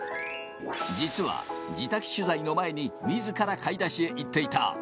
実は自宅取材の前に自ら買い出しに行っていた。